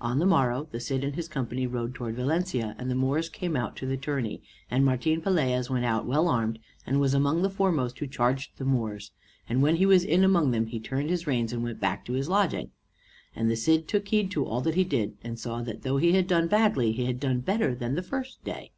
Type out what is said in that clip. On the morrow the Cid and his company rode towards Valencia, and the Moors came out to the tourney; and Martin Pelaez went out well armed, and was among the foremost who charged the Moors, and when he was in among them he turned the reins, and went back to his lodging; and the Cid took heed to all that he did, and saw that though he had done badly he had done better than the first day.